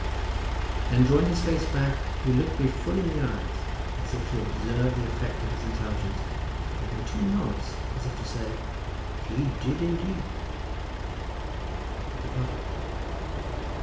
Then drawing his face back he looked me full in the eyes as if to observe the effect of his intelligence, gave me two nods as if to say, "He did, indeed," and departed.